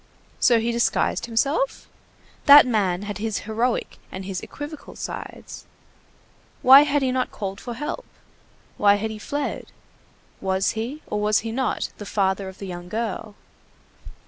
So he disguised himself? That man had his heroic and his equivocal sides. Why had he not called for help? Why had he fled? Was he, or was he not, the father of the young girl?